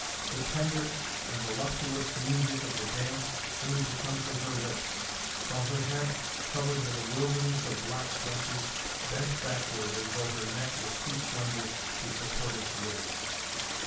The tender and voluptuous music of the dance seemed to come from her lips, while her head, covered with a wilderness of black tresses, bent backward as though her neck was too slender to support its weight.